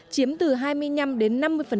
chiếm từ hai mươi năm đến hai mươi năm năm